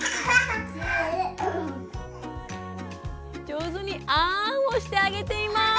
上手に「あん」をしてあげています。